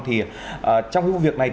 trong vụ việc này